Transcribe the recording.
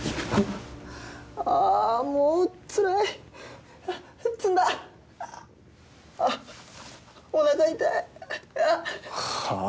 ああもうつらい詰んだあっおなか痛いあっはあ？